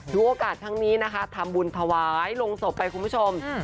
โอกาสครั้งนี้นะคะทำบุญถวายลงศพไปคุณผู้ชม